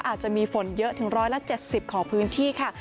อาจจะมีฝนเยอะถึง๑๗๐ของพื้นที่ค่ะ